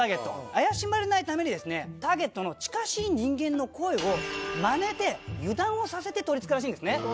怪しまれないためにですねターゲットの近しい人間の声を真似て油断をさせて取りつくらしいんですね。